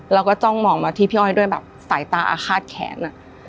แล้วก็จ้องมองมาที่พี่อ้อยด้วยแบบสายตาอาฆาตแขน